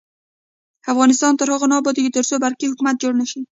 افغانستان تر هغو نه ابادیږي، ترڅو برقی حکومت جوړ نشي.